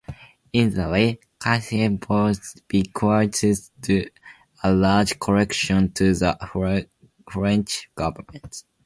In the will, Caillebotte bequeathed a large collection to the French government.